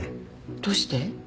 どうして？